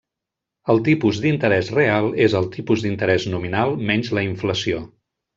El tipus d'interès real és el tipus d'interès nominal menys la inflació.